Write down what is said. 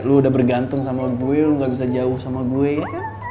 lo udah bergantung sama gue lo ga bisa jauh sama gue ya